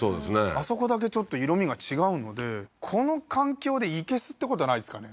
あそこだけちょっと色みが違うのでこの環境で生簀ってことはないですかね